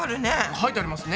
書いてありますね。